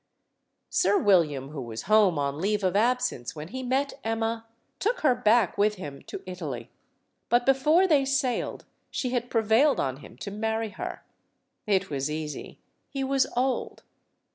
Sir William, who was home on leave of absence when he met Emma, took her back with him to Italy. But before they sailed she had prevailed on him to marry her. It was easy. He was old.